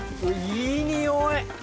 いい匂い。